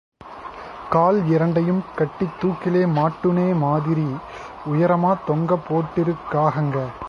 கால் இரண்டையும் கட்டி தூக்கிலே மாட்டுனெ மாதிரி உயரமா தொங்கப் போட்டிருக்காகங்க!